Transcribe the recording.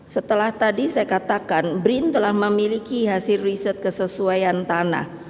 setelah tadi saya katakan brin telah memiliki hasil riset kesesuaian tanah